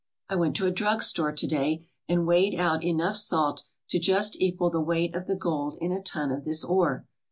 I went to a drug store to day and weighed out enough salt to just equal the weight of the gold in a ton of this ore.